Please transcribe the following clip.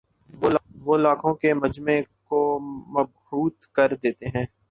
وہ لاکھوں کے مجمعے کو مبہوت کر دیتے ہیں